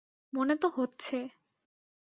মনে তো হচ্ছে।